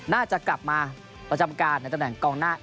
น่าจะกลับมาประจำการในตำแหน่งกองหน้า